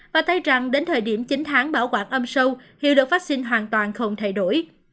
và thấy rằng đến thời điểm chín tháng bảo quản âm sâu hiệu lực vắc xin hoàn toàn không thay đổi